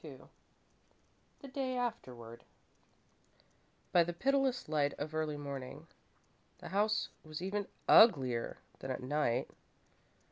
II The Day Afterward By the pitiless light of early morning, the house was even uglier than at night.